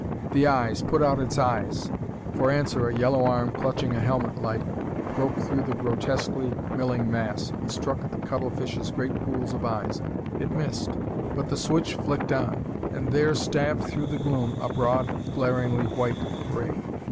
The eyes! Put out its eyes!" For answer, a yellow arm clutching a helmet light broke through the grotesquely milling mass and struck at the cuttlefish's great pools of eyes. It missed, but the switch flicked on, and there stabbed through the gloom a broad, glaringly white ray.